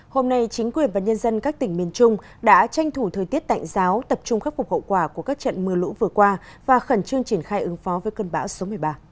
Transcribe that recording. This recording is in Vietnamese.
hôm nay chính quyền và nhân dân các tỉnh miền trung đã tranh thủ thời tiết tạnh giáo tập trung khắc phục hậu quả của các trận mưa lũ vừa qua và khẩn trương triển khai ứng phó với cơn bão số một mươi ba